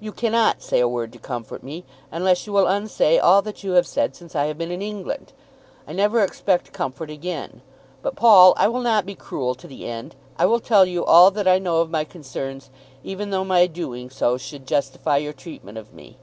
"You cannot say a word to comfort me, unless you will unsay all that you have said since I have been in England. I never expect comfort again. But, Paul, I will not be cruel to the end. I will tell you all that I know of my concerns, even though my doing so should justify your treatment of me.